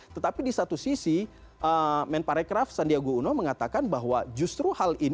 tetapi di satu sisi men parekraf sandiago uno mengatakan bahwa justru hal ini